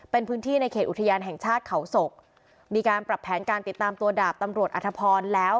เป็นพื้นที่ในเขตอุทยานแห่งชาติเขาศกมีการปรับแผนการติดตามตัวดาบตำรวจอธพรแล้ว